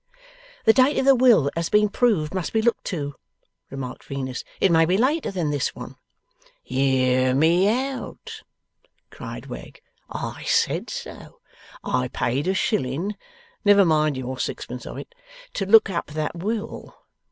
'The date of the will that has been proved, must be looked to,' remarked Venus. 'It may be later than this one.' ' Hear me out!' cried Wegg. 'I said so. I paid a shilling (never mind your sixpence of it) to look up that will.